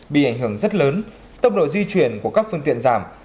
bị ảnh hưởng rất lớn tốc độ di chuyển của các phương tiện giảm